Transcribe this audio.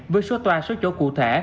với số toa số chỗ cụ thể